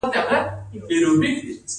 د لمر ګل ژیړ رنګ ښکلی دی.